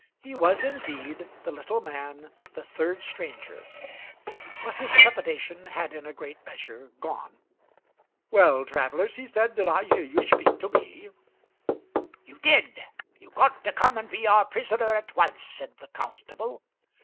He was, indeed, the little man, the third stranger, but his trepidation had in a great measure gone. "Well, travellers," he said, "did I hear ye speak to me?" "You did; you've got to come and be our prisoner at once," said the constable.